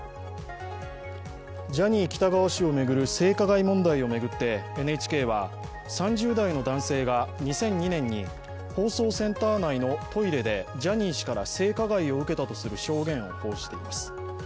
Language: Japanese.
ジャニー喜多川氏を巡る性加害問題を巡ってＮＨＫは３０代の男性が、２００２年に放送センター内のトイレでジャニー氏から性加害を受けたとする証言を報じています。